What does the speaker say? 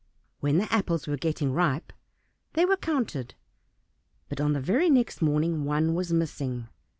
When the apples were getting ripe they were counted, but on the very next morning one was missing.